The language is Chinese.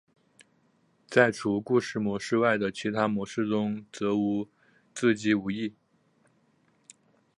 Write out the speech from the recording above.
在除故事模式外的其他模式中则与自机无异。